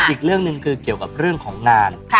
อีกเรื่องหนึ่งคือเกี่ยวกับเรื่องของงาน